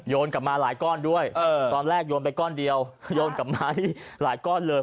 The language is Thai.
กลับมาหลายก้อนด้วยตอนแรกโยนไปก้อนเดียวโยนกับไม้หลายก้อนเลย